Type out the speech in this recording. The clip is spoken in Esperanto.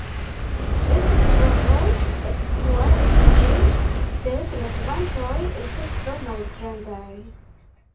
Estis provoj ekspluati ĝin, sed la kvantoj estas tro malgrandaj.